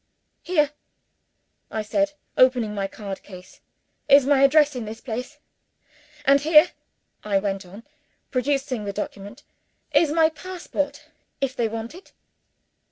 "Here," I said, opening my card case, "is my address in this place; and here," I went on, producing the document, "is my passport, if they want it."